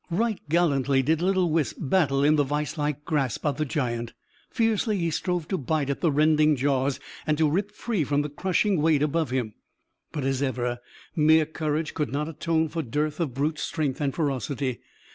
Right gallantly did little Wisp battle in the viselike grasp of the giant. Fiercely he strove to bite at the rending jaws and to rip free from the crushing weight above him. But, as ever, mere courage could not atone for dearth of brute strength and ferocity.